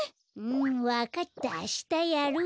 うんわかったあしたやる。